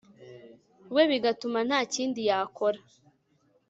we bigatuma nta kindi yakora